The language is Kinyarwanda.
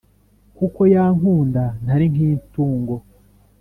Kuko yankunda ntari nkitungo